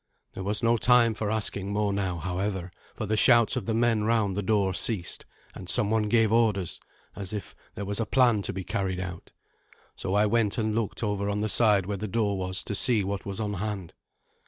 There was no time for asking more now, however, for the shouts of the men round the door ceased, and someone gave orders, as if there was a plan to be carried out. So I went and looked over on the side where the door was to see what was on hand.